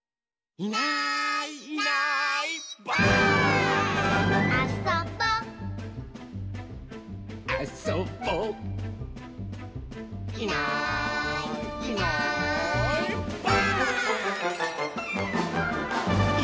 「いないいないいない」